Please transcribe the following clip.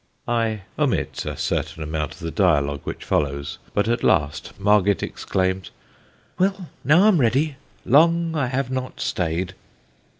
I omit a certain amount of the dialogue which follows, but at last Marget exclaims: Well, now I'm ready, long I have not staid.